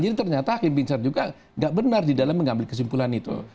jadi ternyata hakim pincar juga tidak benar di dalam mengambil kesimpulan itu